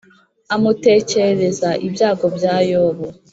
amutekerereza ibyago bya Yobu